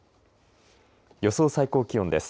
予想最高気温です。